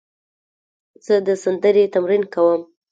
زه د سندرې تمرین کوم.